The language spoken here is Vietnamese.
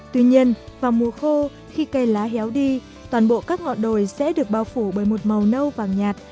tuy nhiên vào mùa khô khi cây lá héo đi toàn bộ các ngọn đồi sẽ được bao phủ bởi một màu nâu vàng nhạt